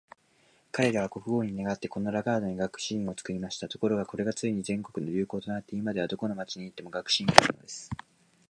彼等は国王に願って、このラガードに学士院を作りました。ところが、これがついに全国の流行となって、今では、どこの町に行っても学士院があるのです。